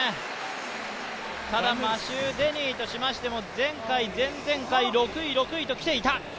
ただマシュー・デニーとしましても前回、前々回、６位、６位と来ていた。